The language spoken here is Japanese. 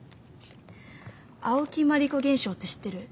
青木まりこ現象って知ってる？